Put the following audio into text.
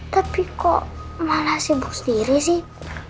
tapi kok malah sibuk sendiri sih